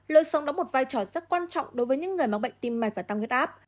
lối sống đóng một vai trò rất quan trọng đối với những người mắc bệnh tim mạch và tăng huyết áp